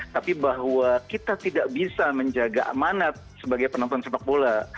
tapi bahwa kita tidak bisa menjaga amanat sebagai penonton sepak bola